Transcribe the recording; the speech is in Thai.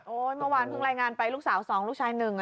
โอ้ยเมื่อวานเพิ่งรายงานไปลูกสาว๒ลูกชาย๑อะนั่น